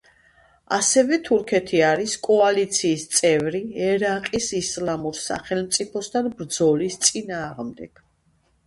ასევე თურქეთი არის კოალიციის წევრი ერაყის ისლამურ სახელმწიფოსთან ბრძოლის წინააღმდეგ.